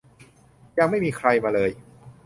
ยังไม่มีใครมาเลย